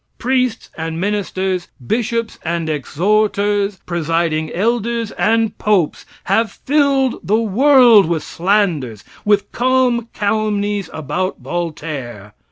Priests and ministers, bishops and exhorters, presiding elders and popes have filled the world with slanders, with calm calumnies about Voltaire.